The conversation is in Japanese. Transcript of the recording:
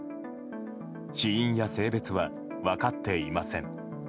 死因や性別は分かっていません。